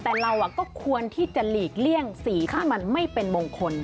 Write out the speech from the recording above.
แต่เราก็ควรที่จะหลีกเลี่ยงสีที่มันไม่เป็นมงคล